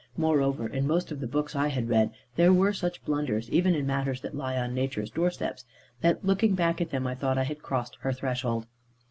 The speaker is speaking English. Moreover, in most of the books I had read, there were such blunders, even in matters that lie on nature's doorsteps, that, looking back at them, I thought I had crossed her threshold.